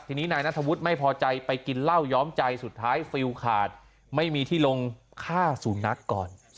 ทีนี้นายนัทธวุฒิไม่พอใจไปกินเหล้าย้อมใจสุดท้ายฟิลขาดไม่มีที่ลงฆ่าสุนัขก่อน